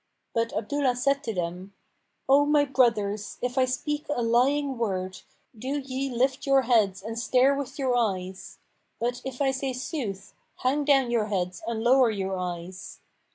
But Abdullah said to them, "O my brothers, if I speak a lying word, do ye lift your heads and stare with your eyes; but, if I say sooth hang down your heads and lower your eyes."